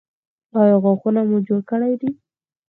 ایا غاښونه مو جوړ کړي دي؟